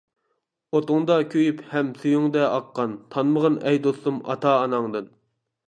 ئوتۇڭدا كۆيۈپ ھەم سۈيۈڭدە ئاققان، تانمىغىن ئەي دوستۇم ئاتا-ئاناڭدىن.